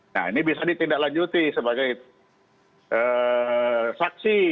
nah ini bisa ditindaklanjuti sebagai saksi